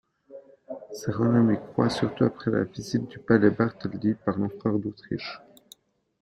Sa renommée croît, surtout après la visite du palais Bartholdy par l'empereur d'Autriche.